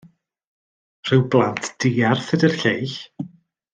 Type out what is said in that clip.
Rhyw blant diarth ydi'r lleill!